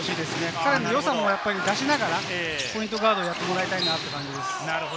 彼の良さを出しながらポイントガードをやってもらいたいなという感じです。